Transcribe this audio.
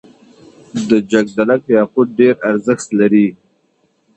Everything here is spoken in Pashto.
د جګدلک یاقوت ډیر ارزښت لري